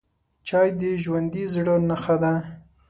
چای د ژوندي زړه نښه ده